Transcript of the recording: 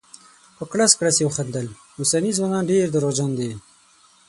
په کړس کړس یې وخندل: اوسني ځوانان ډير درواغجن دي.